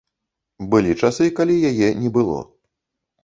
Былі часы, калі яе не было.